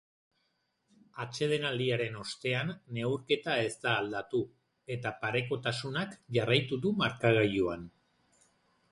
Atsedenaldiaren ostean neurketa ez da aldatu eta parekotasunak jarraitu du markagailuan.